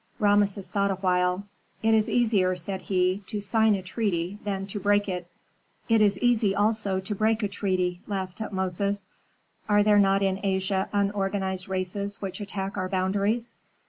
Rameses thought awhile. "It is easier," said he, "to sign a treaty than to break it." "It is easy also to break a treaty," laughed Tutmosis. "Are there not in Asia unorganized races which attack our boundaries?